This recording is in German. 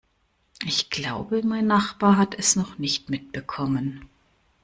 Ich glaube, mein Nachbar hat es noch nicht mitbekommen.